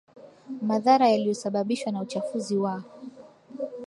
madhara yaliyosababishwa na uchafuzi wa